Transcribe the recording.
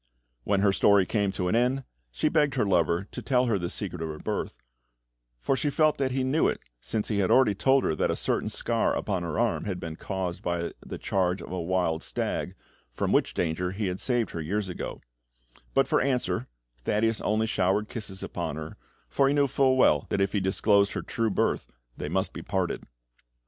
When her story came to an end she begged her lover to tell her the secret of her birth, for she felt that he knew it, since he had already told her that a certain scar upon her arm had been caused by the charge of a wild stag, from which danger he had saved her years ago; but for answer Thaddeus only showered kisses upon her, for he knew full well that if he disclosed her true birth they must be parted.